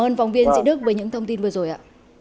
xin cảm ơn phòng viên chị đức với những thông tin vừa rồi ạ